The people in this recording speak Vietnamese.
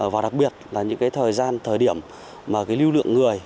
và đặc biệt là những thời gian thời điểm mà lưu lượng người